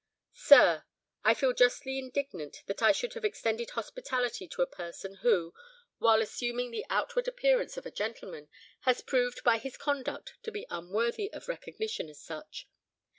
"SIR,—I feel justly indignant that I should have extended hospitality to a person who, while assuming the outward appearance of a gentleman, has proved by his conduct to be unworthy of recognition as such.